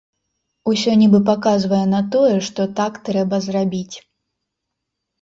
Усё нібы паказвае на тое, што так трэба зрабіць.